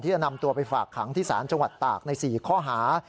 จะนำตัวไปฝากขังที่ศาลจังหวัดตากใน๔ข้อหา